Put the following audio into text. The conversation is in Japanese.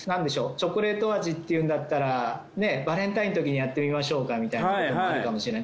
チョコレート味っていうんだったらバレンタインのときにやってみましょうかみたいなこともあるかもしれない。